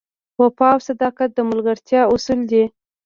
وفا او صداقت د ملګرتیا اصل دی.